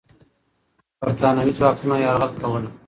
برتانوي ځواکونه یرغل کوله.